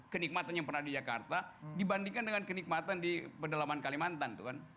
kenikmatan yang pernah di jakarta dibandingkan dengan kenikmatan di pendalaman kalimantan